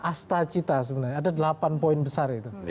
astagita sebenarnya ada delapan poin besar itu